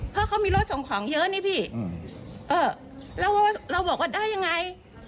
เพราะเขามีรถส่งของเยอะนี่พี่เออแล้วเราบอกว่าได้ยังไง